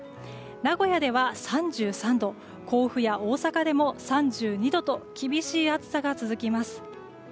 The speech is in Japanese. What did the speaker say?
名古屋では３３度甲府や大阪でも３２度と厳しい暑さが続きます。